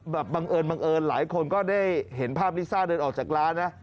บังเอิญบังเอิญหลายคนก็ได้เห็นภาพลิซ่าเดินออกจากร้านนะ